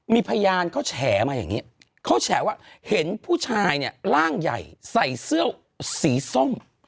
มีพยานเขาแฉมาอย่างนี้เขาแฉว่าเห็นผู้ชายเนี่ยร่างใหญ่ใส่เสื้อสีส้ม